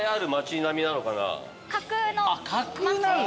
架空なんだ。